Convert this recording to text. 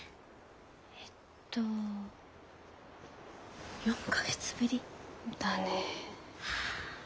えっと４か月ぶり？だね。